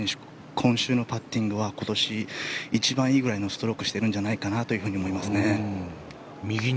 今週のパッティングは今年一番いいぐらいのストロークをしているんじゃないかと思いますね。